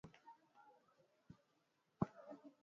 ili kuzuia nyumbu kuvuka kuelekea nchini Kenya